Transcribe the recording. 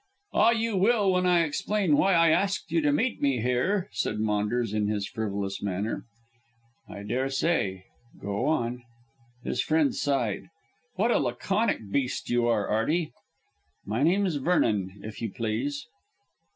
"Ah, you will when I explain why I asked you to meet me here," said Maunders in his frivolous manner. "I daresay; go on." His friend sighed. "What a laconic beast you are, Arty." "My name is Vernon, if you please."